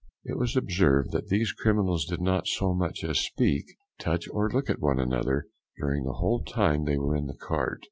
It was observed that these criminals did not so much as speak, touch, or look at one another, during the whole time they were in the cart.